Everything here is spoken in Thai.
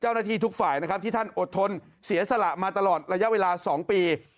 ทุกฝ่ายนะครับที่ท่านอดทนเสียสละมาตลอดระยะเวลา๒ปี